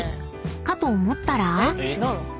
かと思ったら］